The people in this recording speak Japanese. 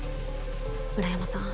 村山さん